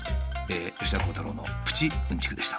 吉田鋼太郎のプチうんちくでした。